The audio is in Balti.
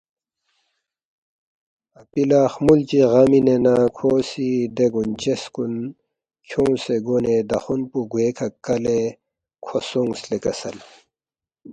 “ اپی لہ خمُول چی غا مِنے نہ کھو سی دے گونچس کُن کھیونگسے گونے دخون پو گوے کھہ کَلے کھو سونگس لے کسل